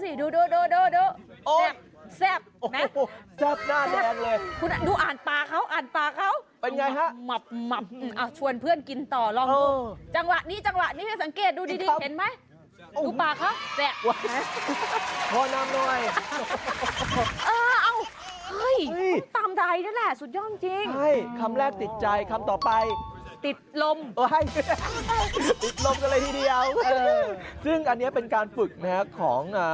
อีกรายแม่นวให้ลองเดี๋ยวต้องไปดูกับเขาจะทิ้งอะไรกันบ้าง